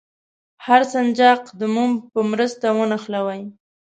هر سنجاق د موم په مرسته ونښلوئ.